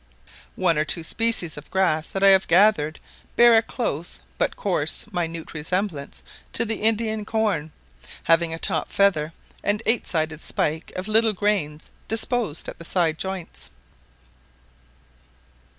One or two species of grass that I have gathered bear a close but of course minute resemblance to the Indian corn, having a top feather and eight sided spike of little grains disposed at the sidejoints.